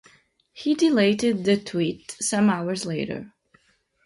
He deleted the tweet some hours later.